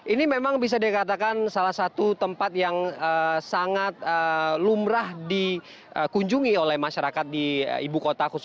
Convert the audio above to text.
ini memang bisa dikatakan salah satu tempat yang sangat lumrah dikunjungi oleh masyarakat di ibu kota